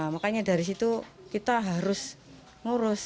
makanya dari situ kita harus ngurus